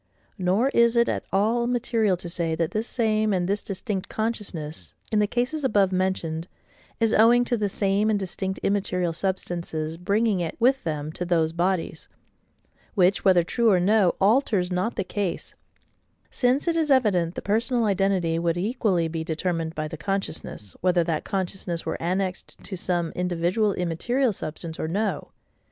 Nor is it at all material to say, that this same, and this distinct consciousness, in the cases above mentioned, is owing to the same and distinct immaterial substances, bringing it with them to those bodies; which, whether true or no, alters not the case: since it is evident the personal identity would equally be determined by the consciousness, whether that consciousness were annexed to some individual immaterial substance or no.